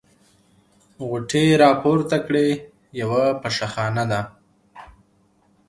غوټې يې راپورته کړې: یوه پشه خانه ده.